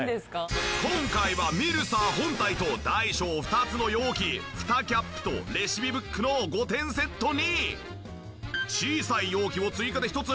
今回はミルサー本体と大小２つの容器フタキャップとレシピブックの５点セットに小さい容器を追加で１つ。